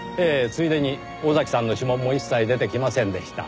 ついでに尾崎さんの指紋も一切出てきませんでした。